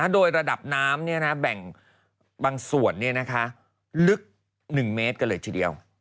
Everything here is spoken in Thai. โดยระดับน้ำแบ่งบางส่วนลึก๑เมตรกันเลยทีเดียว